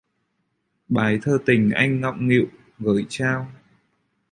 Bài thơ tình anh ngọng nghịu gởi trao!?